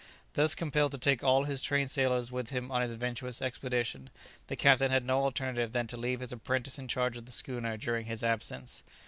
Thus compelled to take all his trained sailors with him on his venturous expedition, the captain had no alternative than to leave his apprentice in charge of the schooner during his absence.